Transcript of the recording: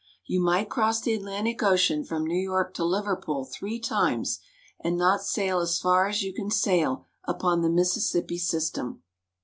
You might cross the Atlantic Ocean from New York to Liverpool three times, and not sail as far as you can sail upon the Mississippi system.